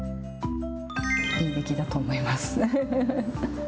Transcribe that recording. いい出来だと思います。